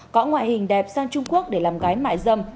có ngoại hình đẹp sang trung quốc để làm gái mại dâm